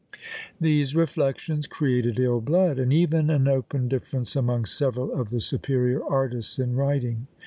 These reflections created ill blood, and even an open difference amongst several of the superior artists in writing.